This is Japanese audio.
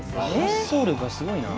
発想力がすごいな。